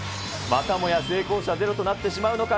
またもや成功者ゼロとなってしまうのか。